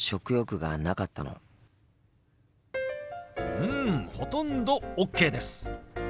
うんほとんどＯＫです。